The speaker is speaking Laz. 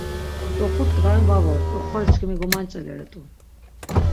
Vit̆oxut dğaren va vort̆i, oxori çkimi gomanç̆eleret̆u.